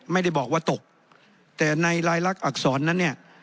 ไม่ได้บอกว่าตกแต่ในลายลักษณอักษรนั้นเนี่ย